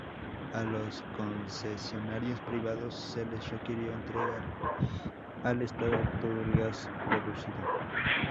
A los concesionarios privados se les requirió entregar al estado todo el gas producido.